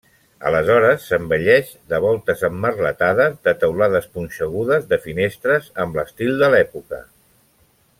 Aleshores s'embelleix de voltes emmerletades, de teulades punxegudes, de finestres amb l'estil de l'època.